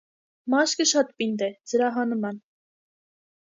Մաշկը շատ պինդ է՝ զրահանման։